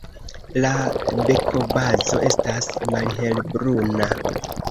La bekobazo estas malhelbruna.